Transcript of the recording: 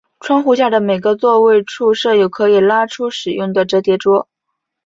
窗户下每个座位处设有可以拉出使用的折叠桌。